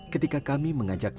ketika kami mengajar